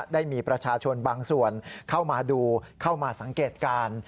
ได้มีประชาชนบางส่วนเข้ามาดูเข้ามาสังเกตการณ์